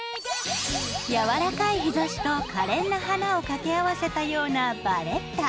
やわらかい日ざしと可憐な花を掛け合わせたようなバレッタ。